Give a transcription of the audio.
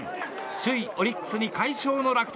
首位、オリックスに快勝の楽天。